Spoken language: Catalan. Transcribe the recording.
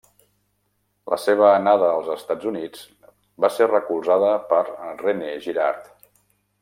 La seva anada als Estats Units va ser recolzada per René Girard.